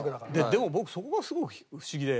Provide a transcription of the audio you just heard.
でも僕そこがすごい不思議で。